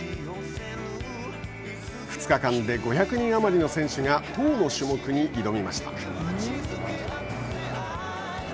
２日間で５００人余りの選手が１０の種目に挑みました。